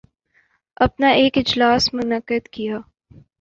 اپنا ایک اجلاس منعقد کیا